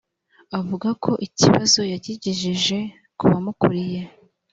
avuga ko ikibazo yakigejeje kubamukuriye.